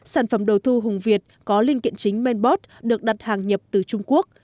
sản phẩm đầu thu hùng việt có linh kiện chính menbot được đặt hàng nhập từ trung quốc